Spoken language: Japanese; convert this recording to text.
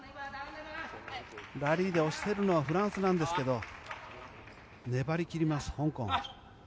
ラリーで押しているのはフランスなんですけど粘り切ります、香港。